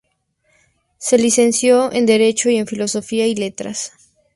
Se licenció en Derecho y en Filosofía y Letras.